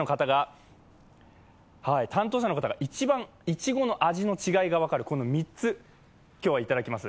担当者の方が一番いちごの味の違いが分かる３つ、今日はいただきます。